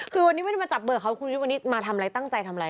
คือวันนี้ไม่ได้มาจับเบอร์เขาคุณวิทย์วันนี้มาทำอะไรตั้งใจทำอะไร